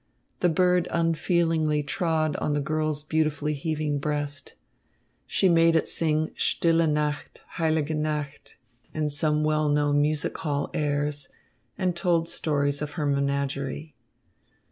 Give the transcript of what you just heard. The bird unfeelingly trod on the girl's beautifully heaving breast. She made it sing Stille Nacht, heilige Nacht and some well known music hall airs, and told stories of her menagerie.